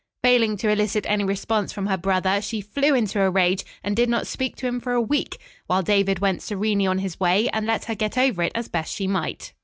Failing to elicit any response from her brother, she flew into a rage and did not speak to him for a week, while David went serenely on his way, and let her get over it as best she might.